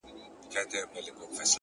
صفت زما مه كوه مړ به مي كړې.